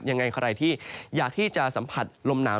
ยังไงใครที่อยากที่จะสัมผัสลมหนาว